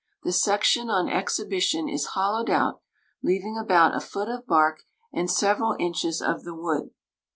The section on exhibition is hollowed out, leaving about a foot of bark and several inches of the wood.